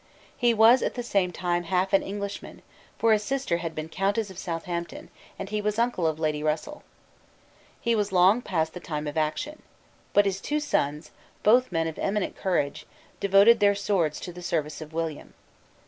He was at the same time half an Englishman: for his sister had been Countess of Southampton, and he was uncle of Lady Russell. He was long past the time of action. But his two sons, both men of eminent courage, devoted their swords to the service of William.